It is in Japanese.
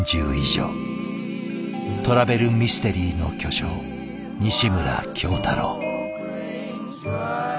トラベルミステリーの巨匠西村京太郎。